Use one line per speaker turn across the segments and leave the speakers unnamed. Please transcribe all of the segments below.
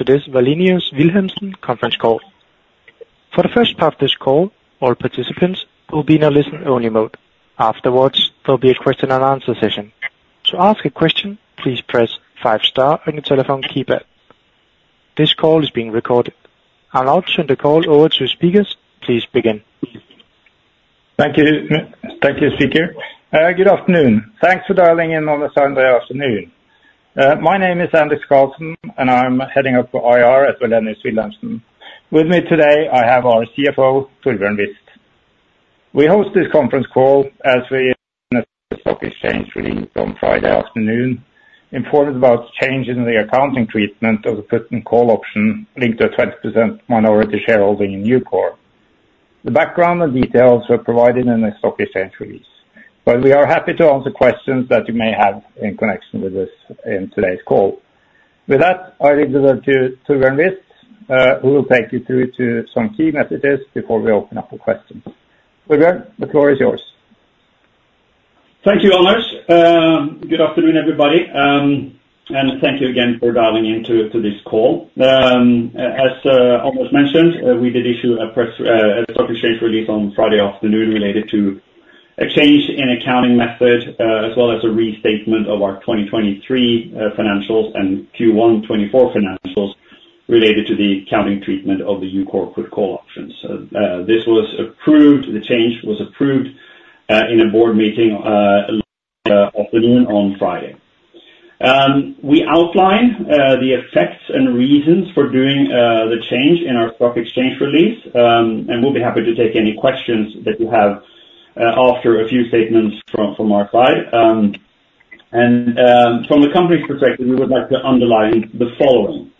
To this Wallenius Wilhelmsen conference call. For the first part of this call, all participants will be in a listen-only mode. Afterwards, there will be a question-and-answer session. To ask a question, please press five-star on your telephone keypad. This call is being recorded. I'll now turn the call over to speakers. Please begin.
Thank you, Speaker. Good afternoon. Thanks for dialing in on a Sunday afternoon. My name is Anders Redigh Karlsen, and I'm heading up IR at Wallenius Wilhelmsen. With me today, I have our CFO, Torbjørn Wist. We host this conference call as we, in the stock exchange release on Friday afternoon, informed about changes in the accounting treatment of the Put/Call option linked to a 20% minority shareholding in EUKOR. The background and details are provided in the stock exchange release, but we are happy to answer questions that you may have in connection with this in today's call. With that, I leave it up to Torbjørn Wist, who will take you through some key messages before we open up for questions. Torbjørn, the floor is yours.
Thank you, Anders. Good afternoon, everybody. And thank you again for dialing into this call. As Anders mentioned, we did issue a stock exchange release on Friday afternoon related to a change in accounting method, as well as a restatement of our 2023 financials and Q1 2024 financials related to the accounting treatment of the EUKOR Put/Call options. This was approved. The change was approved in a board meeting afternoon on Friday. We outline the effects and reasons for doing the change in our stock exchange release, and we'll be happy to take any questions that you have after a few statements from our side. And from the company's perspective, we would like to underline the following.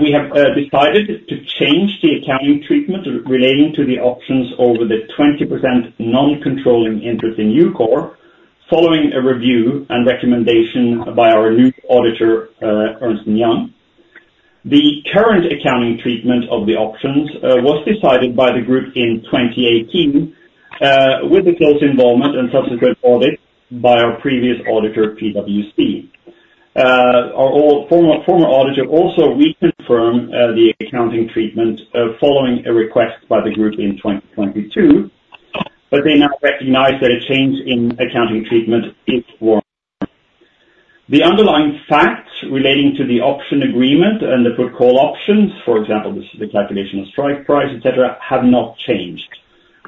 We have decided to change the accounting treatment relating to the options over the 20% non-controlling interest in EUKOR following a review and recommendation by our new auditor, Ernst & Young. The current accounting treatment of the options was decided by the group in 2018 with a close involvement and subsequent audit by our previous auditor, PwC. Our former auditor also reconfirmed the accounting treatment following a request by the group in 2022, but they now recognize that a change in accounting treatment is warranted. The underlying facts relating to the option agreement and the Put Call options, for example, the calculation of strike price, etc., have not changed.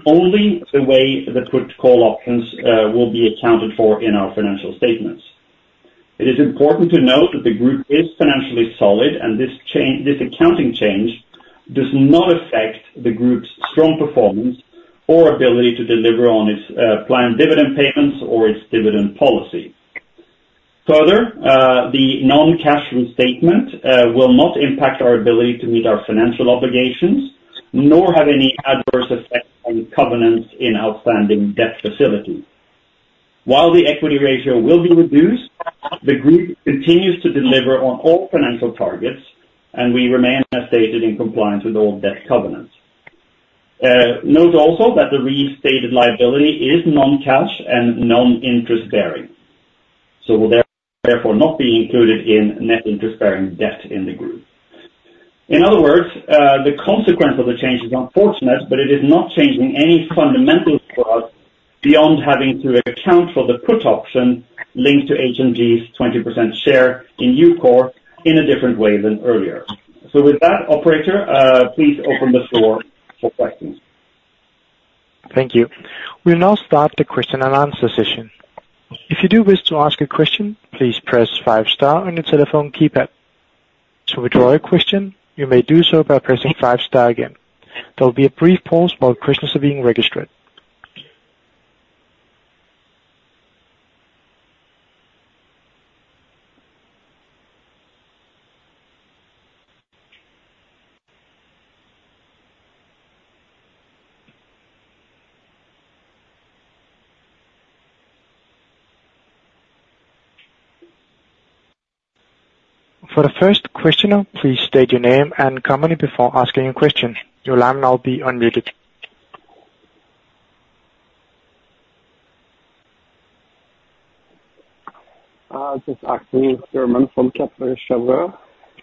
Only the way the Put Call options will be accounted for in our financial statements. It is important to note that the group is financially solid, and this accounting change does not affect the group's strong performance or ability to deliver on its planned dividend payments or its dividend policy. Further, the non-cash restatement will not impact our ability to meet our financial obligations, nor have any adverse effects on covenants in outstanding debt facility. While the equity ratio will be reduced, the group continues to deliver on all financial targets, and we remain as stated in compliance with all debt covenants. Note also that the restated liability is non-cash and non-interest-bearing, so will therefore not be included in net interest-bearing debt in the group. In other words, the consequence of the change is unfortunate, but it is not changing any fundamentals for us beyond having to account for the Put option linked to Hyundai's 20% share in EUKOR in a different way than earlier. So with that, operator, please open the floor for questions.
Thank you. We'll now start the question and answer session. If you do wish to ask a question, please press five-star on your telephone keypad. To withdraw a question, you may do so by pressing five-star again. There will be a brief pause while questions are being registered. For the first questioner, please state your name and company before asking a question. Your line will now be unmuted.
I'll just ask you, Jerman Funkert, Cheuvreux.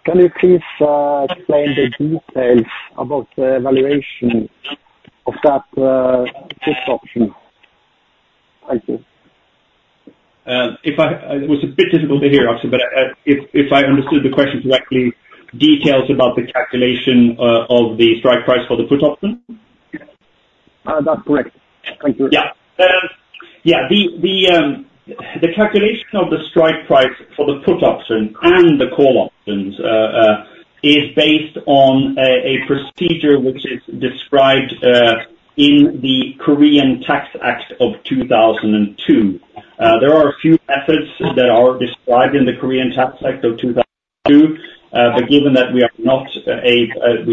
Can you please explain the details about the evaluation of that Put option? Thank you.
It was a bit difficult to hear, but if I understood the question correctly, details about the calculation of the strike price for the Put option?
That's correct. Thank you.
Yeah. Yeah. The calculation of the strike price for the Put option and the Call options is based on a procedure which is described in the Korean Tax Act of 2002. There are a few methods that are described in the Korean Tax Act of 2002, but given that we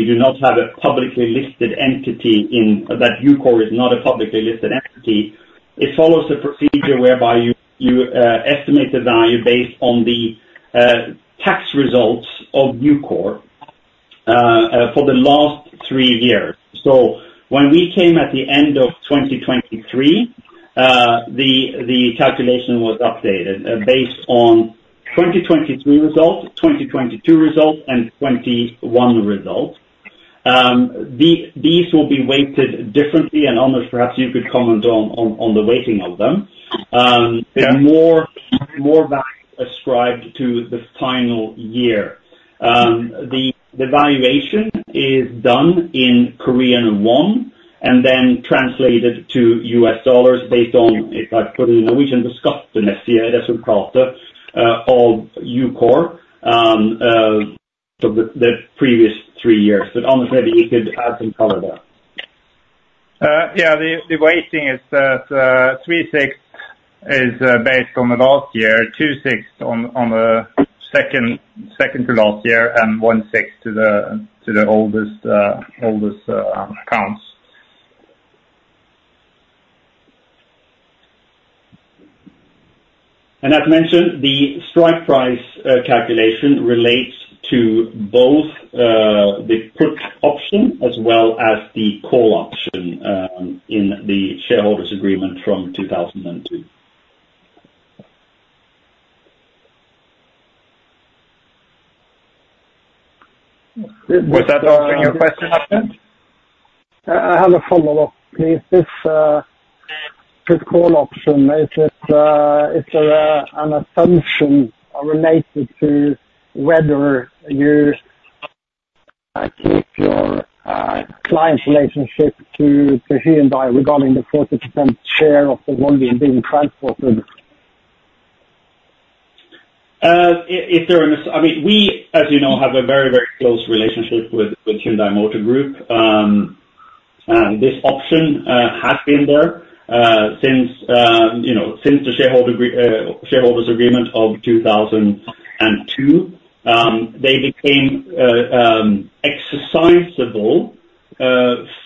do not have a publicly listed entity in that EUKOR is not a publicly listed entity, it follows the procedure whereby you estimate the value based on the tax results of EUKOR for the last three years. So when we came at the end of 2023, the calculation was updated based on 2023 results, 2022 results, and 2021 results. These will be weighted differently, and Anders, perhaps you could comment on the weighting of them. There are more values ascribed to the final year. The valuation is done in Korean won and then translated to U.S. dollars based on, if I put it in Norwegian, beskattes i det som priser av EUKOR for the previous three years. But Anders, maybe you could add some color there.
Yeah. The weighting is that 3/6 is based on the last year, 2/6 on the second to last year, and 1/6 to the oldest accounts.
As mentioned, the strike price calculation relates to both the Put option as well as the Call option in the shareholders' agreement from 2002. Was that answering your question, Anders?
I have a follow-up, please. This Call option, is there an assumption related to whether you keep your client relationship to Hyundai regarding the 40% share of the volume being transported?
I mean, we, as you know, have a very, very close relationship with Hyundai Motor Group. This option has been there since the shareholders' agreement of 2002. They became exercisable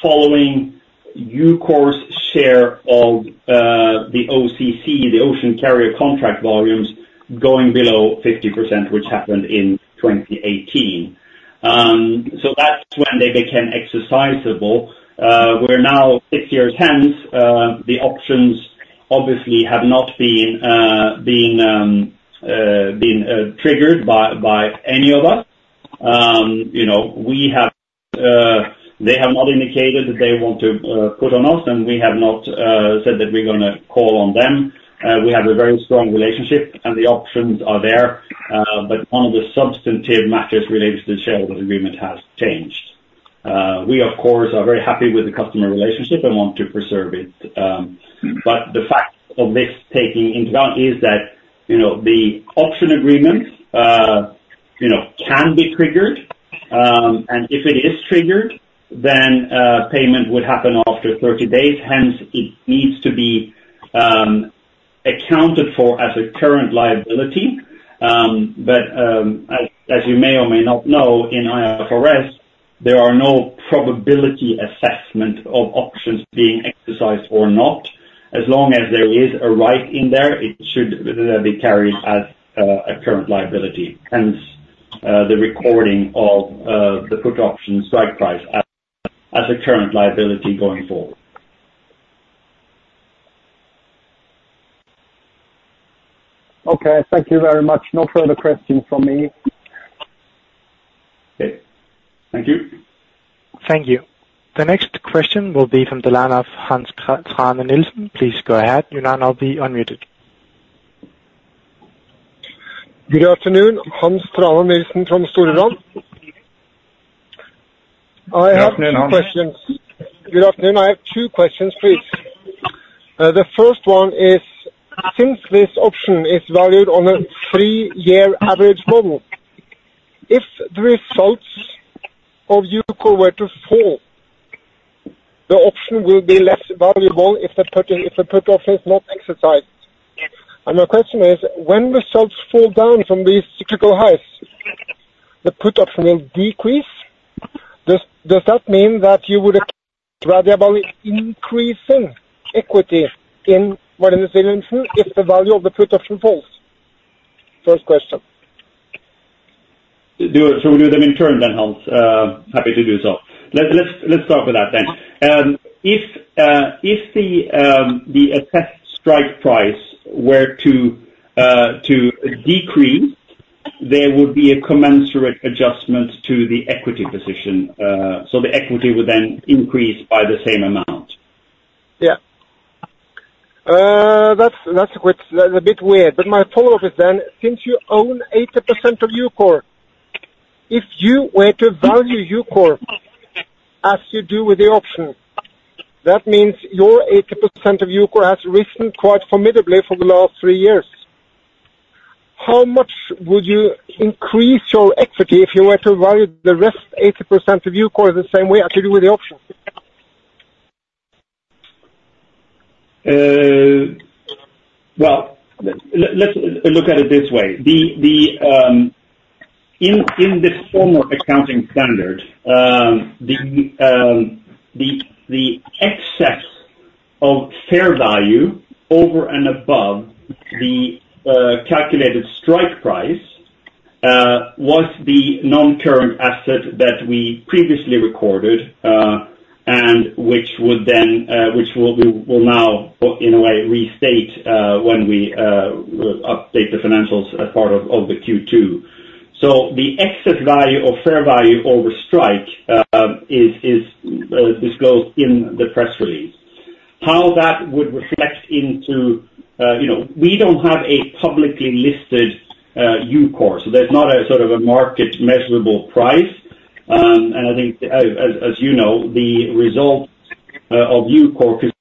following EUKOR's share of the OCC, the Ocean Carrier Contract volumes, going below 50%, which happened in 2018. So that's when they became exercisable. We're now six years hence. The options obviously have not been triggered by any of us. They have not indicated that they want to put on us, and we have not said that we're going to call on them. We have a very strong relationship, and the options are there. But one of the substantive matters related to the shareholders' agreement has changed. We, of course, are very happy with the customer relationship and want to preserve it. But the fact of this taking into account is that the option agreement can be triggered, and if it is triggered, then payment would happen after 30 days. Hence, it needs to be accounted for as a current liability. But as you may or may not know, in IFRS, there are no probability assessments of options being exercised or not. As long as there is a right in there, it should be carried as a current liability. Hence, the recording of the Put option strike price as a current liability going forward.
Okay. Thank you very much. No further questions from me.
Okay. Thank you.
Thank you. The next question will be from the line of Hans Thrane Nielsen. Please go ahead. Your line will be unmuted.
Good afternoon. Hans Thrane Nielsen from Storebrand.
Good afternoon.
I have two questions. Good afternoon. I have two questions, please. The first one is, since this option is valued on a three-year average model, if the results of EUKOR were to fall, the option will be less valuable if the Put option is not exercised. And my question is, when results fall down from these cyclical highs, the Put option will decrease? Does that mean that you would rather have an increase in equity in Wallenius Wilhelmsen if the value of the Put option falls? First question.
So we'll do them in turn, then, Hans. Happy to do so. Let's start with that, then. If the assessed strike price were to decrease, there would be a commensurate adjustment to the equity position. So the equity would then increase by the same amount.
Yeah. That's a bit weird. But my follow-up is, then, since you own 80% of EUKOR, if you were to value EUKOR as you do with the option, that means your 80% of EUKOR has risen quite formidably for the last three years. How much would you increase your equity if you were to value the rest 80% of EUKOR the same way as you do with the option?
Well, let's look at it this way. In the former accounting standard, the excess of fair value over and above the calculated strike price was the non-current asset that we previously recorded and which will now, in a way, restate when we update the financials as part of the Q2. So the excess value of fair value over strike is disclosed in the press release. How that would reflect into we don't have a publicly listed EUKOR. So there's not a sort of a market measurable price. And I think, as you know, the result of EUKOR could.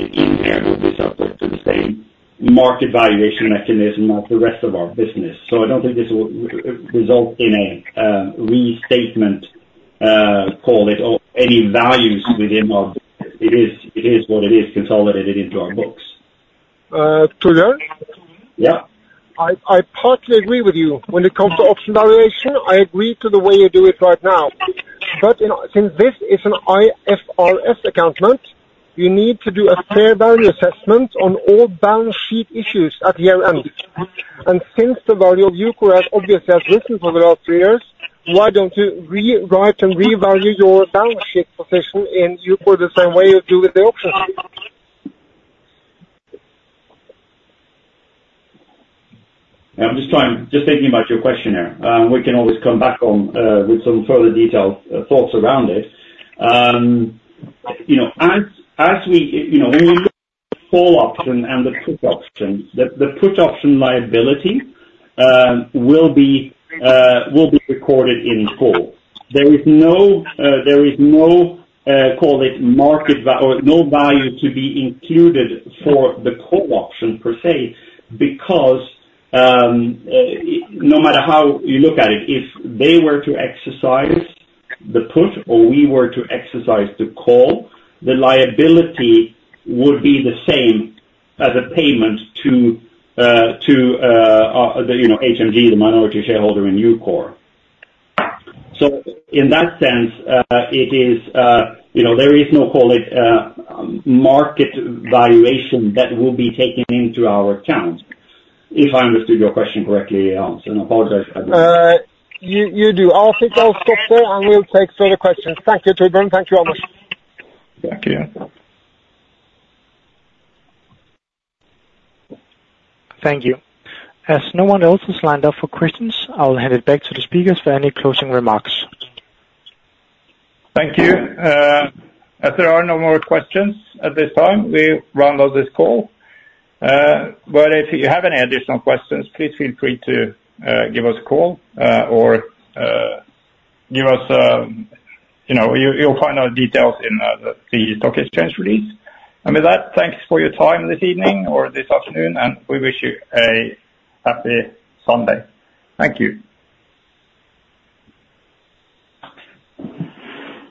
Inherently result in the same market valuation mechanism as the rest of our business. So I don't think this will result in a restatement, call it any values within our business. It is what it is, consolidated into our books.
Torbjørn?
Yeah.
I partly agree with you. When it comes to option valuation, I agree to the way you do it right now. But since this is an IFRS accounting, you need to do a fair value assessment on all balance sheet issues at year-end. And since the value of EUKOR has obviously risen for the last three years, why don't you rewrite and revalue your balance sheet position in EUKOR the same way you do with the options?
I'm just thinking about your question there. We can always come back with some further detailed thoughts around it. As we look at the Call option and the Put option, the Put option liability will be recorded in full. There is no, call it, market value or no value to be included for the Call option per se because no matter how you look at it, if they were to exercise the Put or we were to exercise the Call, the liability would be the same as a payment to Hyundai Motor Group, the minority shareholder in EUKOR. So in that sense, there is no, call it, market valuation that will be taken into our account. If I understood your question correctly, Hans. And I apologize for that.
You do. I'll take those top four, and we'll take further questions. Thank you, Torbjørn.
Thank you, Anders.
Thank you. As no one else has lined up for questions, I'll hand it back to the speakers for any closing remarks.
Thank you. As there are no more questions at this time, we round out this call. But if you have any additional questions, please feel free to give us a call or give us your final details in the stock exchange release. And with that, thanks for your time this evening or this afternoon, and we wish you a happy Sunday. Thank you.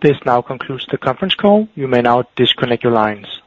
This now concludes the conference call. You may now disconnect your lines.